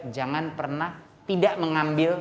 jangan pernah tidak mengambil